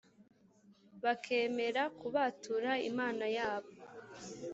bakemera kubatura imana yabo